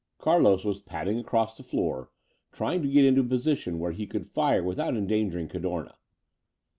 Carlos was padding across the floor, trying to get into a position where he could fire without endangering Cadorna.